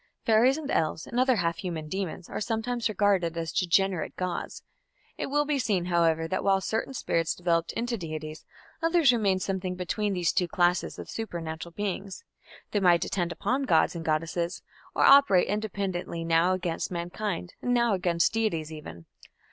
Fairies and elves, and other half human demons, are sometimes regarded as degenerate gods. It will be seen, however, that while certain spirits developed into deities, others remained something between these two classes of supernatural beings: they might attend upon gods and goddesses, or operate independently now against mankind and now against deities even.